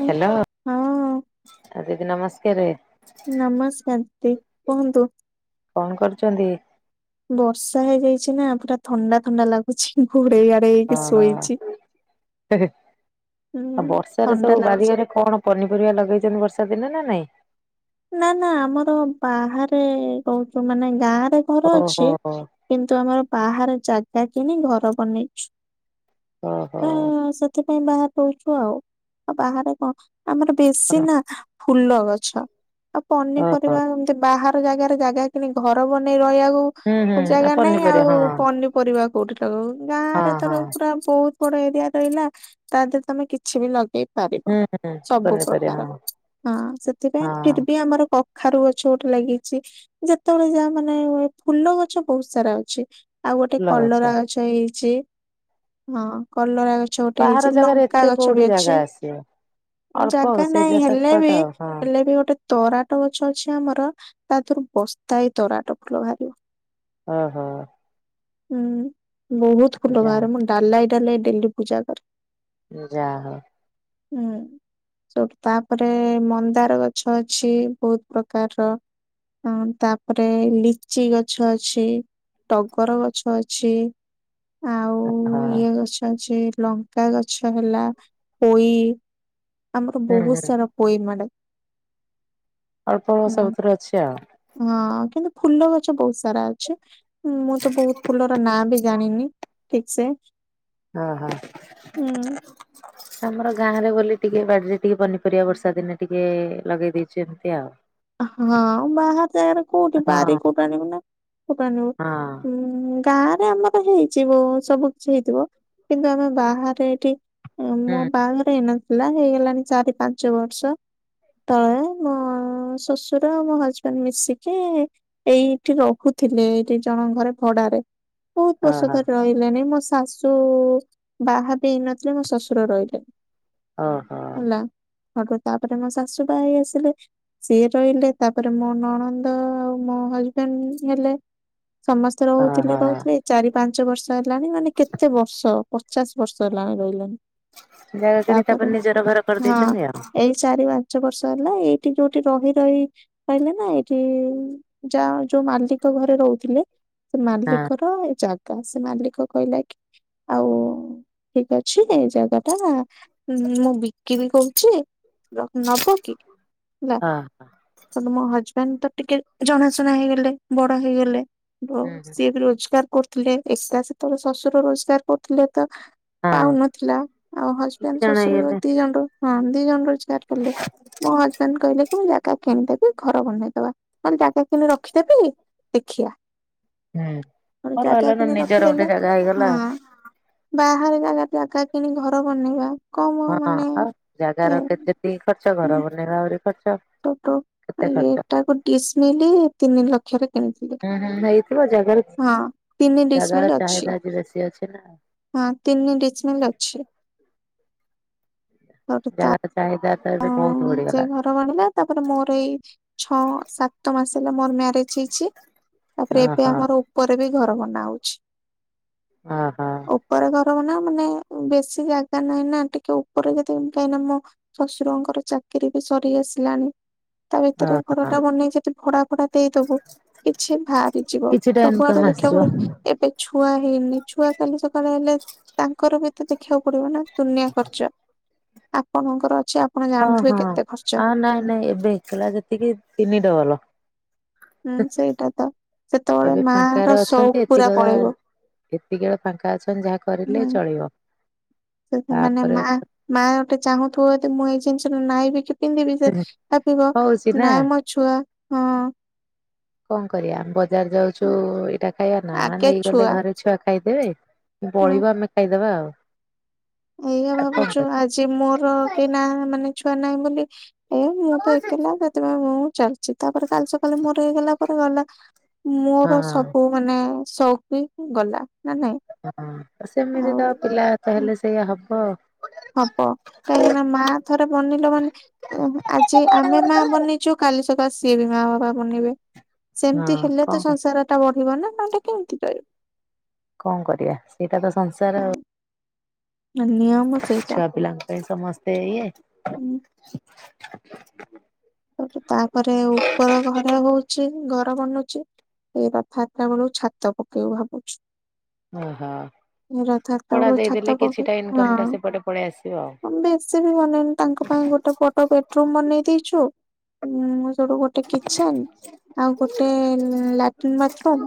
ହୁଁ, ହ୍ୟାଲୋ। ହଁ ଆଉ ଦିଦି ନମସ୍କାରେ। ନମସ୍କାର ଦି କୁହନ୍ତୁ? କଣ କରୁଛନ୍ତି? ବର୍ଷା ହେଇଯାଇଛି ନାଁ ପୁରା ଥଣ୍ଡା ଥଣ୍ଡା ଲାଗୁଛି ଘୋଡେଇ ଘା ଡେଇକି ଓହୋ ଶୋଇଛି। ଆଉ ହୁଁ ବର୍ଷାରେ ସବୁ ଥଣ୍ଡା ଲାଗୁଛି। ବାରିଆରେ କଣ ପନିପରିବା ଲଗେଇଛନ୍ତି ବର୍ଷା ଦିନେ ନାଁ ନାଇଁ। ନାଁ ନାଁ ଆମର ବାହାରେ କହୁଛୁ ମାନେ ଗାଁ ରେ ଘର ଓହୋ ଅଛି। କିନ୍ତୁ ଆମର ବାହାରେ ଜାଗା କିଣିି ଘର ବନେଇଛୁ। ଓ ହୋ। ସେଥିପାଇ ବାହାରେ ରହୁଛୁ ଆଉ। ଆଉ ବାହାରେ କଣ ଆମର ବେଶୀ ନାଁ ଫୁଲ ଗଛ। ଆଉ ପନିପରିବା ଏମିତି ବାହାର ଜାଗାରେ ଜାଗା କିଣି ଘର ବନେଇ ହୁଁ ହୁଁ ରହିବାକୁ ଆଉ ଜାଗା ନାଇଁ ଆଉ ପନିପରିବା ହଁ ପନିପରିବାକୁ କୋଉଠି ଲଗେଇବୁ? ଗାଁ ହଁ ରେ ତର ହଁ ପୁରା ବହୁତ ବଡ ଏରିଆ ରହିଲା, ତା ଦେହରେ ତମେ କିଛି ବି ଲଗ୍ ଗେଇପାରିବ, ହୁଁ ହୁଁ ସବୁ ପନିପରିବା ପ୍ରକାର, ହଁ ହଁ ସେଥିପାଇଁ ହଁ ଫିର୍ ଆମର କଖାରୁ ଗଛ ଗୋଟେ ଲାଗିଚି ଯେତେବେଳେ ଯାହା ମାନେ ହୁଏ, ଫୁଲ ଗଛ ବହୁତ ସାରା ଅଛି। ଆଉ ଗୋଟେ କଲରା ଗଛ ହେଇଚି। ହଁ କଲରା ଗଛ ଗୋଟେ ହେଇଛି, ବାହାର ଜାଗାରେ ଲଙ୍କା ଏତେ ଗଛ ବି କୋଉଠି ଅଛି। ଜାଗା ଆସିବ ଅଳ୍ପ ଜାଗା ଆଉ ନାଇଁ, ସେଇଠି ଯା ହେଲେ ସଟକଟ ବି, ଆଉ ହଁ ହେଲେ ବି ଗୋଟେ ତରାଟ ଗଛ ଅଛି ଆମର, ତା ଦେହରୁ ବସ୍ତାଏ ତରାଟ ଫୁଲ ବାହାରିବ। ହଁ ହଁ। ହୁଁ, ବହୁତ ଫୁଲ ଯା ବାହାରେ, ମୁଁ ଡାଲାଏ ଡାଲାଏ ଡେଲି ପୂଜା କରେ। ଯାହଉ। ହୁଁ। ତାପରେ ମନ୍ଦାର ଗଛ ଅଛି, ବହୁତ୍ ପ୍ରକାରର ହଁ, ତାପରେ ଲିଚି ଗଛ ଅଛି, ଟଗର ଗ ଗଛ ଅଛି, ଆଉ ହଉ ହଁ ଇଏ ଗଛ ଅଛି, ଲଙ୍କ୍ ଙ୍କା ଗଛ ହେଲା, ପୋଇ, ଆମର ହୁଁ ବହୁତ ହୁଁ ସାରା ପୋଇ ମାଡେ। ଅଳ୍ପ ଅଳ୍ପ ହୁଁ। ସବୁଥିରେ ଅଛି ଆଉ। ହଁ କିନ୍ତୁ ଫୁଲ ଗଛ ବହୁତ ସାରା ଅଛି, ମୁଁ ତ ବହୁତ ଫୁଲର ନାଁ ବି ଜାଣିନି। ଠିକ୍ ସେ। ଅ ହ। [inaudible] ଆମର ଗାଁରେ ବୋଲି ଟିକେ ବାଡିରେ ଟିକେ ପନିପରିବା ବର୍ଷା ଦିନେ ଟିକେ ଲଗେଇ ଦେଇଚୁ ଏମତି ଆଉ। ହଁ ବାହାର ଜାଗାରେ କୋଉଠି, ହଁ ବାରି କୋଉଠୁ ଆଣିବୁ ନା, [unintelligible] କଉଟା ଆଣିବୁ? ହଁ। ହୁଁ ଉଁ ଗାଁରେ ଆମର ହେଇଚିବ, ସବୁ କିଛି ହେଇଥିବ କିନ୍ତୁ ଆମେ ବାହାରେ ଏଠି ଉଁ ହୁଁ ମୋ ବାହାଘର୍ ହେଇନଥିଲା, ହେଇଗଲାଣି ଚାରି ପାଞ୍ଚ ବର୍ଷ ତଳେ ମୋ ଶ୍ୱଶୁର ଆଉ ମୋ ହଜବେଣ୍ଡ୍ ମିଶିକି ଏଇଠି ରହୁଥିଲେ ଏଇଠି ଜଣକ ଘରେ ଭଡାରେ ବହୁତ ବର୍ଷ ଓହୋ ଧରି ରହିଲେ ମୋ ଶାଶୁ ବାହା ବି ହେଇ ନଥିଲେ, ମୋ ଶ୍ୱଶୁର ରହିଲେଣିି। ଓହୋ। ହେଲା, ଆଗ ତାପରେ ମୋ ଶାଶୁ ବାହା ହେଇ ଆସିଲେ ସିଏ ରହିଲେ, ତାପରେ ମୋ ନଣନ୍ଦ ଆଉ ମୋ ହଜବେଣ୍ଡ୍ ହେଲେ, ସମସ୍ତେ ଓହୋ। ରହୁଥିଲେ, ରୁହୁଥିଲେ, ଚାରି ପାଞ୍ଚ ବର୍ଷ ହେଲାଣି ମାନେ କେତେ ବର୍ଷ ପଚାଶ ବର୍ଷ ହେଲାଣି ରହିଲାଣି। ଜାଗା କିଣି ତାପରେ ନିଜର ଘର ହଁ କରିଦେଇଚନ୍ତି ଆଉ। ଏଇ ଚାରି ପାଞ୍ଚ ବର୍ଷ ହେଲା, ଏଇଠି ଯୋଉ ଠି ରହି ରହି ଆଇଲେନା, ଏଇଠି ଯା ଯୋଉ ମାଲିକ ଘରେ ରହୁଥିଲେ ସେ ହଁ ମାଲିକର ଏ ଜାଗା, ସେ ମାଲିକ କହିଲା କି ଆଉ ଠିକ୍ ଅଛି, ଏଇ ଜାଗା ଟା ହଁ ମୁଁ ବିକିବି କହୁଚି, ର ନବ କି? [unintelligible] ହେଲା, ହେଟୁ ମୋ ହଜବେଣ୍ଡ୍ ତ ଟିକେ ଜଣାଶୁଣା ହେଇଗଲେ, ବଡ ହେଇଗଲେ ହୁଁ ହୁଁ। ସିଏ ବି ରୋଜଗାର କରୁଥିଲେ, ଏକ୍ସଟ୍ରା ସେତେବେଳେ ଶ୍ୱଶୁର ରୋଜଗାର କରୁଥିଲେ ତ ପାଉନଥିଲା, ଆଉ ଦି ହଜବଣ୍ଡ୍ ଜଣ ଶଶୁର ଯୋଉ ହେଇଗଲେ ଦି ଜଣ ର, ହଁ ଦି ଜଣ ର [unintelligible] ମୋ ହଜବେଣ୍ଡ କହିଲେ କି ମୁଁ ଜାଗା କିଣିଦେବି ଘର ବନେଇଦବା ନହେଲେ ଜାଗା କିଣି ରଖିଦେବି ଦେଖିବା। ହୁଁ ଗୋଟେ ଭଲ ଜାଗା ହେଲା ନା କିଣି ନିଜର ଗୋଟେ ରଖିଦେଲେ, ଜାଗା ହେଇଗଲା। ହଁ ବାହାର ଜାଗାରେ ଜାଗା କିଣି ଘର ବନେଇବା। କମ ହଁ ମାନେ ଆଉ ଏ ଜାଗାର କେତେବି ଖର୍ଚ ଘର ଉଁ, ବନେଇବା ଆହୁରି ଖର୍ଚ୍ଚ। କେତେ ଖର୍ଚ୍ଚ। ଏଟାକୁ ଡିସମିଲ ତିନି ଲକ୍ଷରେ କିଣିଥିଲି। ପ୍ରଣାମ ଭାଇ। ଜାଗାର ହଁ ତିନି ଡିସମିଲ ଜାଗାର ଅଛି ଚାହିଦା ଆଜି ବେଶି ଅଛି ନା। ହଁ ତିନି ଡିସିମିଲ ଅଛି। ଜାଗାର ଚାହିଦା ତ ଏବେ ବହୁତ ହଁ ସେ ବଢିଗଲାଣି ଘର ବନିଲା ତାପରେ ମୋର ଏଇ ଛଅ ସାତ ମାସ ହେଲା ମୋର ମ୍ୟାରେଜ ହେଇଛି। ତାପରେ ଏବେ ଓହୋ ଆମର ଉପରେ ବି ଘର ବନା ହଉଛି। ହଁ ହଁ ଉପରେ ଘର ମାନେ ମାନେ ବେଶୀ ଜାଗା ନାହିଁ ନା ଟିକେ ଉପରେ ଯଦିତି କାହିଁକି ନା ମୁଁ ଶଶୁରଙ୍କର ଚାକିରୀ ବି ସରିଆସିଲାଣି। ତା ଭିତରେ ହଁ ହଁ ଘରଟା ବନେଇ ଯଦି ଭଡା ଭଡା ଦେଇଦବୁ। କିଛି ବାହାରିଯିବ କିଛିଟା ସବୁଆଡୁ ଇନକମ୍ ଦେଖିବାକୁ ଆସିଯିବ ପଡୁଛି ଏବେ ଛୁଆ ହେଇନି, ଛୁଆ କାଲି ସକାଳେ ହେଲେ ତାଙ୍କର ବି ତ ଦେଖିବାକୁ ପଡିବ ନା। ଦୁନିଆ ଖର୍ଚ ଆପଣଙ୍କର ଅଛି ଜବ ହଁ ହଁ ଆ ନାଇଁ ନାଇଁ ଏବେ ହେଇଥିଲା ଯେତିକି ତିନି ଡବଲ। ହୁଁ ସେଇଟା ତ ସେତେବେଳେ ଏବେ ମା ର ଫାଙ୍କାରେ ସଉକ ଅଛନ୍ତି ପୁରା ଏତିକିବେଳା ପଳେଇବ ଏତିକି ବେଳା ଫାଙ୍କା ଅଛନ୍ତି ଯାହା ହୁଁ କରିଲେ ଚଳିବ। ସେ ସେ ମାନେ ତାପରେ ମାଁ ମାଁ ଗୋଟେ ଚାହୁଁଥିବ ଯଦି ମୁଁ ଏଇ ଜିନିଷ ନାଇଁ ପିନ୍ଧିବି ସେ କପିବ ହଉଛି ନା ନାଁ ମୋ ଛୁଆ, ହଁ। କଣ କରିବା ବ ବଜାର ଯାଉଛୁ, ଏଇଟା ଖାଇବା ନା ନେଇଗଲେ ଘରେ ଛୁଆ ହୁଁ ଖାଇଦେବେବବଳିବ ଆମେ ଖାଇଦବା ଆଉ। ଏଇଆ ଆଉ କଣ ଭାବୁଛୁ କରିବା। ଆଜି ମୋର କି ନା ମାନେ ଛୁଆ ନାହିଁ ବୋଲି ଏ ମୁଁ ତ ଏକଲା ସେଥିପାଇଁ ମୁଁ ଚାଲିଛି ତାପରେ କାଲି ସକାଳେ ମୋର ହେଇଗଲା ପରେ ଗଲା ମୋର ହଁ ସବୁ ମାନେ ସୋଉକ ବି ଗଲା ନା ନାଇଁ? ହଁ ସେମିତି ଆଉ ତ ପିଲାତ ହୁଁ, ହେଲେ ସେଇଆ ହବ। ହବ କାହିଁକି ନା ମା ଥରେ ବନିଲ ମାନେ ଆଜି ଆମେ ମା ବନିଛୁ କାଲି ସକାଳ ସିଏ ବି ମା ବାପା ବନିବେ। ହଁ ସେମିତି ହେଲେ ତ କଣ ସଂସାରଟା ବଢିବ ନା ନହେଲେ କେମିତି ରହିବ? କଣ କରିବା ସେଇଟା ତ ସଂସାର ଆଉ, ହଁ, ନିୟମ ଛୁଆ ପିଲାଙ୍କୁ ପାଇଁ ସମସ୍ତେ ଇଏ, ହୁଁ ତାପରେ ଉପର ଘରେ ହଉଛି, ଘର ବନୁଛି। ଏ ରଥ ଯାତ୍ରାବେଳକୁ ଛାତ ପକେଇବୁ ଭାବୁଛୁ। ଓହୋ ଏ ରଥଯାତ୍ରା ଭଢା ବେଳକୁ ଛାତ ଦେଇଦେଲେ ପକେ କିଛିଟା ଇନକମଟା ହଁ ସେପଟେ ପଳେଇ ଆସିବ ଆଉ। ବେଶୀ ବି ବନେଇନୁ ତାଙ୍କ ପାଇଁ ଗୋଟେ ବଡ ବେଡରୁମ ବନେଇ ଦେଇଛୁ। ସେଇଠୁ ଗୋଟେ କିଚେନ ଆଉ ଗୋଟେ ଲାଟିନ, ବାଥରୁମ୍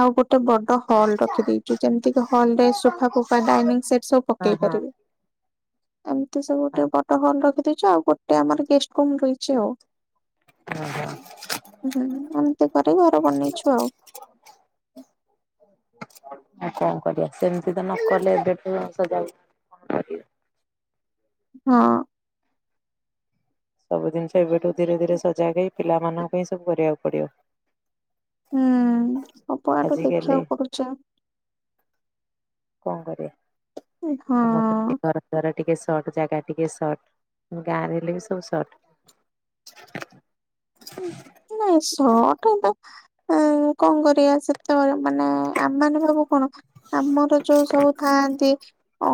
ଆଉ ଗୋଟେ ବଡ ହଲ୍ ରଖିଦେଇଛୁ ଯେମିତିକି ହଲରେ ହଁ ହଁ ସୋଫା ଫୋଫା ଡାଇନିଂ ସେଟ୍ ସବୁ ପକେଇ ଓହୋ ପାରିବେ। ଏମିତି ସବୁ ଗୋଟେ ବଡ ହଲ ରଖିଦେଇଛ ଆଉ ଗୋଟେ ଆମର ଗେଷ୍ଟ ରୁମ ରହିଛି ଆଉ। [unintelligible] [inaudible] କଣ କରିବା ସେମିତି ତ ନକଲେ ଏବେଠୁ [unintelligible] କରିବା। ହଁ। ସବୁ ଜିନିଷ ଏବେଠୁ ଧୀରେ ଧୀରେ ସଜାଗ ହୋଇ ପିଲାମାନଙ୍କ ଏସବୁ କରିବାକୁ ପଡିବ। ହୁଁ, ସବୁଆଡୁ ଆଜିକାଲି ଦେଖିବାକୁ ପଡୁଛି। [inaudible] କଣ କରିବା, ଆମରତ ହଁ। ବ୍ୟବହାର ଘର ଟିକେ ସର୍ଟ, ଜାଗା ଟିକେ ସର୍ଟ, ଗାଁରେ ହେଲେ ବି ସବୁ ସର୍ଟ। ନାହିଁ, ସର୍ଟ ଏ ତ କଣ କରିବା, ସେତେବେଳେ ମାନେ ଆମେମାନେ ସବୁ କଣ, ଆମର ଯୋଉ ସବୁ ଥାଆନ୍ତି ଅ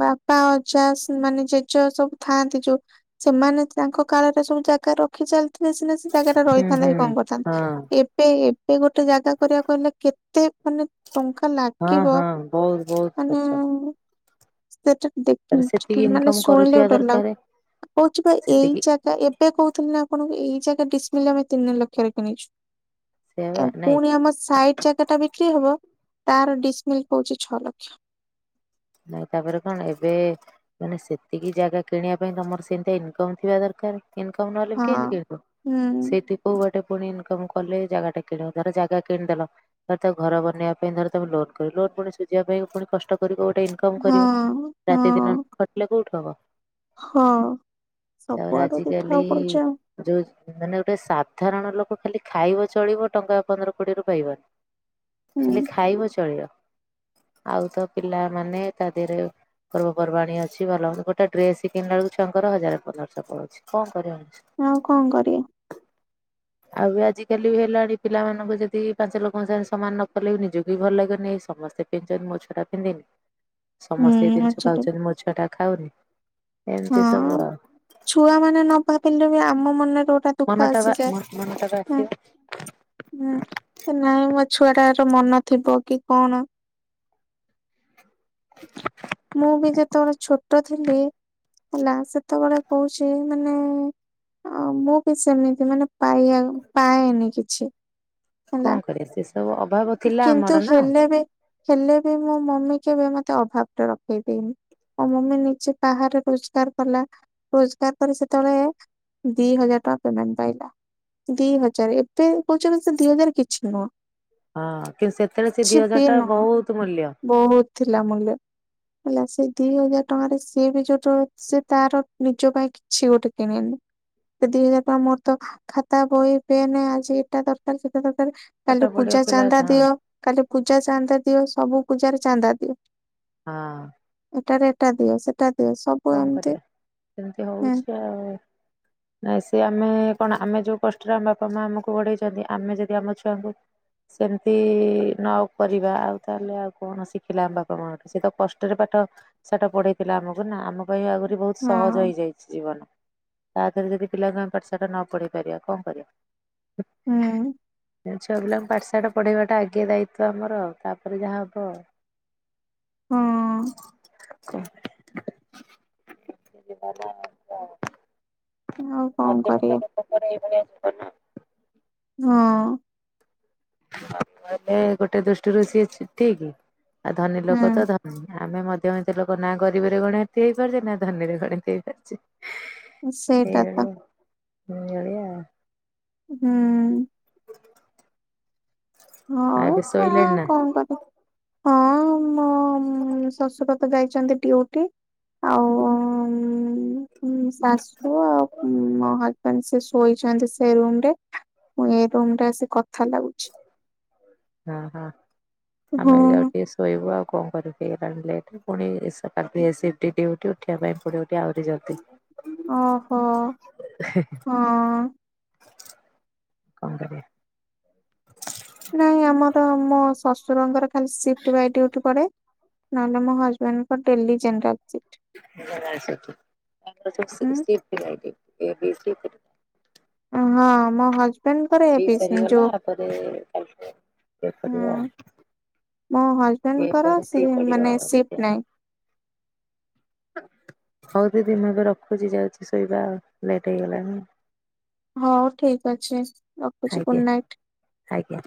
ବାପା, ଅଜା, ମାନେ ଜେଜେ ସବୁ ଥାଆନ୍ତି ଯୋଉ ସେମାନେ ତାଙ୍କ କାଳରେ ସବୁ ଜାଗା ରଖି ଚାଲିଥିଲେ ସିନା ସେ ଜାଗା ଟା ହୁଁ ରହିଥାନ୍ତା କି ହୁଁ କଣ ହଁ କରିଥାନ୍ତା! ଏବେ ଏବେ ଗୋଟେ ଜାଗା କରିବାକୁ ହେଲେ କେତେ ମାନେ ଟଙ୍କା ହଁ ଲାଗିବ, ହଁ ବହୁତ ବହୁତ ମାନେ ଖର୍ଚ୍ଚ। [inaudible] ଏବେ ତାର କହୁଥିଲେ ସେତିକି ନା, ଇନକମ ଆପଣଙ୍କୁ କରୁଥିବା ଦରକାର ସେତିକି ଏଇ ଜାଗା ଡିସମିଲ ଆମେ ତିନି ଲକ୍ଷରେ କିଣିଛୁ। ସେ ନାଇଁ ପୁଣି ଆମ ସାଇଟ୍ ଜାଗାଟା ବିକ୍ରି ହବ, ତାର ଡିସମିଲ୍ ହଉଛି ଛଅ ଲକ୍ଷ। ନାହିଁ, ତାପରେ କଣ ଏବେ ମାନେ, ସେତିକି ଜାଗା କିଣିବା ପାଇଁ ତମର ସେମିତି ଇନକମ ଥିବା ଦରକାର। ଇନକମ୍ ନହେଲେ ହଁ। କେମିତି କିଣିବ ହୁଁ ସେଇଠି କୋଉ ବାଟେ ପୁଣି ଇନକମ୍ କଲେ ଜାଗା ଟା କିଣିବ? ଧର, ଜାଗା କିଣିଦେଲ ତା ଘର ବନେବା ପାଇଁ ଧର, ତମେ ଲୋନ୍ କରିବ। ଲୋନ୍ ପୁଣି ସୁୁଝିବା ପାଇଁ ପୁଣି କଷ୍ଟ କରିବ। ଇନକମ୍ କରିବ, ହଁ ରାତି ହଁ ଦିନ ଖଟିଲେ କୋଉଠୁ ହବ? ହଁ, ତାପରେ ସବୁଆଡେ ଆଜିକାଲି ଦେଖିବାକୁ ପଡୁଛି ଆଉ। ଯୋଉ ମାନେ ଗୋଟେ ସାଧାରଣ ଲୋକ, ଖାଲି ଖାଇବ ଚଳିବ ଟଙ୍କା ପନ୍ଦର କୋଡି ରୁ ପାଇବ। ଖାଲି ହୁଁ ଖାଇବ ଚଳିବ, ଆଉ ତ ପିଲାମାନେ ତା ଦେହରେ ପର୍ବପର୍ବାଣୀ ଅଛି, ଭଲ ମନ୍ଦ। ଗୋଟେ ଡ୍ରେସ କିଣିଲା ବେଳକୁ ଛୁଆଙ୍କର ହଜାର ପନ୍ଦରଶହ ପଳାଉଛି। କଣ କରିବା ମଣିଷ? ହଁ, କଣ କରିବା? ଆଉ ଆଜିକାଲି ବି ହେଲାଣି, ପିଲାମାନଙ୍କୁ ଯଦି ପାଞ୍ଚ ଲୋକଙ୍କ ସାଙ୍ଗ ସମାନ ନ କଲେ, ବି ନିଜକୁ ବି ଭଲ ଲାଗନି। ଏ ସମସ୍ତେ ସେଜାନ୍ ମୋ ଛୁଆଟା ପିନ୍ଧିନି। ହୁଁ ସମସ୍ତେ ଏଇ ଜିନିଷ ଆଚ୍ଛା ଠିକ୍ ଖାଉଛନ୍ତି, ମୋ ଛୁଆ ଟା ଖାଉନି ଏମିତି ସବୁ ଆଉ। ଛୁଆମାନେ ନ ଭାବିଲେ ବି, ଆମ ମନରେ ଗୋଟାଏ ମନଟା ବା ମନ ମନଟା ବା ଆସିବ। ହୁଁ, ନାହିଁ, ମୋ ଛୁଆ ଟାର ମନ ଥିବ କି କଣ? ମୁଁ ବି ଯେତେବେଳେ ଛୋଟ ଥିଲି ହେଲା, ସେତେବେଳେ କହୁଛି ମାନେ ଆ ମୁଁ ବି ସେମିତି, ମାନେ, ପାଇବା ପାଏନି କିଛି। ହେଲା କଣ କରିବା, ସେ ସବୁ ଅଭାବ ଥିଲା କିନ୍ତୁ ଆମର ନା। ହେଲେ ବି ହେଲେ ବି ମୋ ମମି କେବେ ମ ତେ ଅଭାବଟା ରଖେଇଦେଇନି। ମୋ ମମି ନିଜେ ବାହାରେ ରୋଜଗାର କଲା। ରୋଜଗାର ପରେ, ସେତେବେଳେ ଦି ହଜାର ଟଙ୍କା ପ୍ରେମେଣ୍ଟ ପାଇଲା। ଦି ହଜାର! ଏବେ କହୁଛନ୍ତି, ସେ ଦି ହଜାର କିଛି ନୁହଁ। ହଁ, କି ସେତେବେଳେ ସେ ଦି କିଛି ବି ହଜାର ଟା ନୁହଁ। ବହୁତ ମୂଲ୍ୟ। ବହୁତ ଥିଲା ମୂଲ୍ୟ। ହେଲା ସେ ଦି ହଜାର ଟଙ୍କାରେ ସିଏ ବି ଯୋଉଟୁ ସେ ତାର ନିଜ ପାଇଁ କିଛି ଗୋଟେ କିଣେନି। ଦି ହଜାର ଟଙ୍କା ମୋର ତ ଖାତା, ବହି, ପେନ୍ ଆଜି ଏଟା ଦରକାର ସେଟା ଦରକାର ପାଠ କାଲି ପଢିବା ପୂଜା ପିଲା ଚାନ୍ଦା ହଁ ଦିଅ। କାଲି ପୂଜା ଚାନ୍ଦା ଦିଅ। ସବୁ ପୂଜାରେ ଚାନ୍ଦା ଦିଅ। ହଁ। ଏଟାରେ ଏଟା ଦିଅ ସେଟା ଦିଅ ସବୁ କଣ ଏମିତି କରିବା ସେମିତି ହଁ। ହଉଛି ଆଉ। ନାଇଁ ସେ ଆମେ କଣ ଆମେ ଯୋଉ କଷ୍ଟରେ ଆମ ବାପା ମା ଆମକୁ ବଢେଇଛନ୍ତି। ଆମେ ଯଦି ଆମ ଛୁଆଙ୍କୁ ସେମିତି ନ କରିବା ଆଉ ତାହେଲେ ଆଉ କଣ ଶିଖିଲେ ଆମ ବାପା ମାଆଙ୍କଠୁ। ସିଏ ତ କଷ୍ଟରେ ପାଠ ସାଠ ପଢେଇଥିଲା ଆମକୁ ନା। ଆମ ପାଇଁ ଆହିରି ବହୁତ୍ ସହଜ ହେଇଯାଇଛି। ଜୀବନ। ତା ଦେହରେ ଯଦି ପିଲାକୁ ଆମେ ପାଠ ସାଠ ନ ପଢେଇ ପାରିବା କଣ କରିବା? ହୁଁ। ଛୁଆ ପିଲାଙ୍କୁ ପାଠ ସାଠ ପଢେଇବାଟା ଆଗେ ଦାୟିତ୍ଵ ଆମର। ତାପରେ ଯାହା ହବ। ହଁ [unintelligible] [unintelligible] ତାପରେ ଏଇ ଆଉ କଣ କରିବା ଭଳିଆ ଜୀବନ। ହଁ। କହିଲେ ଗୋଟେ ଦୃଷ୍ଟିରୁ ସିଏ ଠିକ୍। ଆଉ ଧନୀ ଲୋକ ତ ଧ ଆମେ ମଧ୍ୟ ଏତେ ଲୋକ ନା ଗରିବରେ ଗଣତି ହେଇପାରୁଛେ ନା ଧନୀ ରେ ଗଣତି ହେଇପାରୁଛେ। ହୁଁ ସେଇଟା ତ ଏଭଳିଆ ହଁ ଏଭଳିଆ ଆଉ। ହୁଁ। ହଁ ଆଉ ଏବେ ଚା ଶୋଇଲେଣି ଆଉ ନା କଣ କରିବି। ହଁ ମୋ ହଁ ମ ଶଶୁରତ ଯାଇଛନ୍ତି ଡିଉଟି ଆଉଉଉ ଶାଶୁ [unintelligible] ହଁ ହଜବେଣ୍ଡ୍ ସେ ଶୋଇଛନ୍ତି ସେ ରୁମ୍ ରେ। ମୁ ଏ ରୁମ୍ ରେ ଆସି କଥା ଲାଗୁଛି। ହଁ ହଁ ହଁ। ଆମେ ବି ଯାଉଟୁ ଟିକେ ସୋ ଶୋଇବୁ ଆଉ କଣ କରିବି। ହେଇଲାଣି ଲେଟ୍ ପୁଣିଏ ଏ ସିପ୍ଟି୍ ଡ଼ିଉଟି ଉଠିବା ପାଇଁ ପଡିବ। ଟିକେ ଆହୁରି ଜଲ୍ଦି। ଓହୋ କଣ ହଁ। କରିବା? ନାଇଁ ଆମର ତ ମୋ ଶ୍ୱଶୁରଙ୍କର ଖାଲି ସିଫ୍ ସିପିଟି ବାଏ ଡ଼ିଉଟି ପଡେ। ନହେଲେ ମୋ ହଜବେଣ୍ଡଙ୍କ ଡେଲି ଜେନେରାଲ୍ ସିପ୍। ସେମାନେ ଜାଣିଛନ୍ତି। ତାଙ୍କର ସବୁ ହୁଁ ସି ସିପିଟି ବାଇ ଡ୍ୟୁଟି ଏ ବି ସିପିଟି। ହଁ ମୋ ହଜବେଣ୍ଡଙ୍କର ବି ଏବେ ଯୋଉ ସରିଗଲା ଆରପରେ କାଲି ଠୁ। ଚେକ୍ କରିବା? ହୁଁ ମୋ ହଜବେଣ୍ଡଙ୍କର ସିପ୍ ପଡିବ ମାନେ ଆଉ ଏମିତି ଆଉ। ସିଫ୍ଟ୍ ନାହିଁ। ହଉ ଦିଦି ମୁଁ ଏବେ ରଖୁଛି। ଯାଉଛି ଶୋଇବା ଆଉ ଲେଟ୍ ହେଇଗଲାଣି। ହଉ ଠିକ୍ ଅଛି। ରଖୁଛି ଗୁଡ୍ ଆଜ୍ଞା ନାଇଟ୍। ଆଜ୍ଞା।